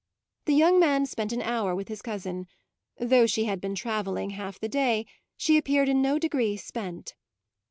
The young man spent an hour with his cousin; though she had been travelling half the day she appeared in no degree spent.